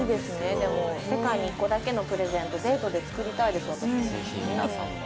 世界に１個だけのプレゼントデートでつくりたいです。